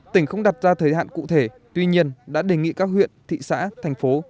tỉnh không đặt ra thời hạn cụ thể tuy nhiên đã đề nghị các huyện thị xã thành phố